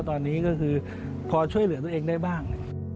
ตอนนี้ก็คือพอช่วยเหลือตัวเองได้บ้าง